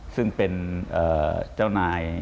ซึ่งเป็นเจ้านาย